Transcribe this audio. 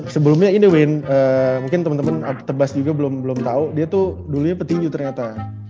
sebelumnya ini wyn mungkin temen temen tebas juga belum tau dia tuh dulunya petinju ternyata